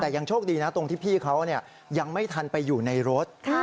แต่ยังโชคดีนะตรงที่พี่เขายังไม่ทันไปอยู่ในรถ